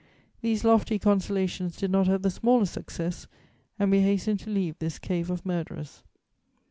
These lofty consolations did not have the smallest success, and we hastened to leave this cave of murderers.